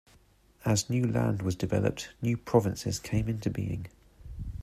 As new land was developed, new provinces came into being.